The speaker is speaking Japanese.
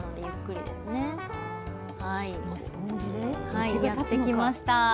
はいやってきました。